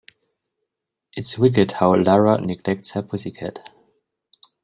It's wicked how Lara neglects her pussy cat.